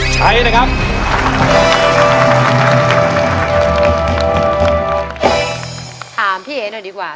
ใช้นะครับ